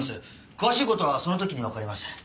詳しい事はその時にわかります。